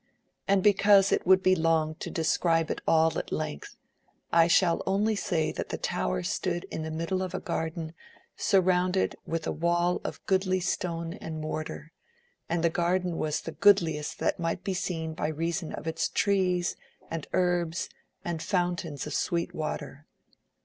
And because it would be long to describe it all at length, I shall only say that the tower stood in the middle of a garden surrounded with a wall of goodly stone and mortar, and the garden was the goodliest that might be seen by reason of its trees and herbs and fountains of sweet water.